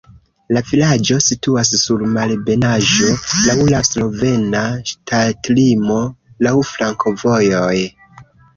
La vilaĝo situas sur malebenaĵo, laŭ la slovena ŝtatlimo, laŭ flankovojoj.